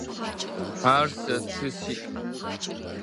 Ары, сэ ты сиӏ.